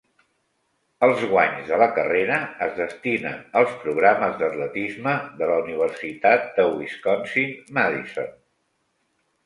Els guanys de la carrera es destinen als programes d'atletisme de la Universitat de Wisconsin-Madison.